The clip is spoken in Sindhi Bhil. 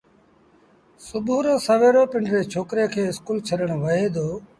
سُڀو رو سويرو پنڊري ڇوڪري کي اسڪول ڇڏڻ وهي دو۔